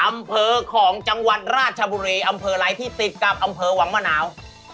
อำเภอของจังหวัดราชบุรีอำเภอไร้ที่ติดกับอำเภอหวังมะนาว